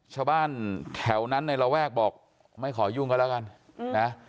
ชาวบ้านแถวนั้นในระแวกบอกไม่ขอยุ่งกันแล้วกันนะ